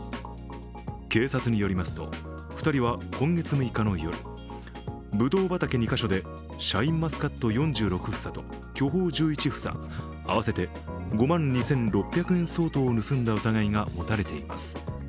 警察によりますと、２人は今月６日の夜ぶどう畑２か所でシャインマスカット４６房と巨峰１１房合わせて５万２６００円相当を盗んだ疑いが持たれています。